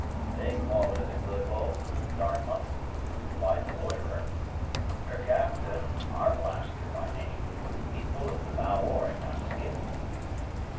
"They call her the Good Hope, of Dartmouth," replied the loiterer. "Her captain, Arblaster by name. He pulleth the bow oar in yon skiff."